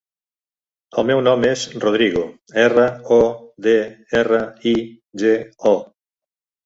El meu nom és Rodrigo: erra, o, de, erra, i, ge, o.